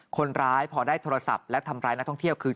คนร้ายพอได้โทรศัพท์และทำร้ายนักท่องเที่ยวคือ